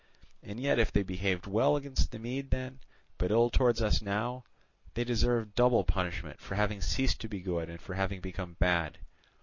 And yet if they behaved well against the Mede then, but ill towards us now, they deserve double punishment for having ceased to be good and for having become bad.